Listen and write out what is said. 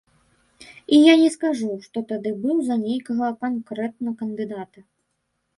І я не скажу, што тады быў за нейкага канкрэтна кандыдата.